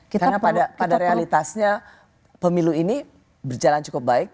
karena pada realitasnya pemilu ini berjalan cukup baik